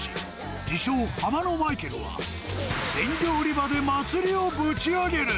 自称、ハマのマイケルは鮮魚売り場で祭りをぶち上げる。